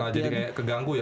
kemana jadi kayak keganggu ya